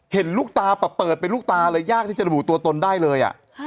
เห็นลูกตาเปิดเป็นลูกตาเลยยากที่จะระบุตัวตนได้เลย